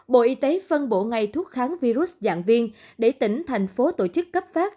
bộ y tế phân bổ ngay thuốc kháng virus dạng viên để tỉnh thành phố tổ chức cấp phát